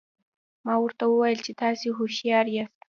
ما ورته وویل چې تاسي هوښیار یاست.